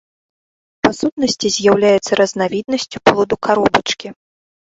Па сутнасці з'яўляецца разнавіднасцю плоду-каробачкі.